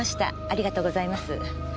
ありがとうございます。